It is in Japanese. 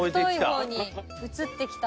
太い方に移ってきた。